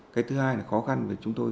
cái thứ hai là khó khăn của chúng tôi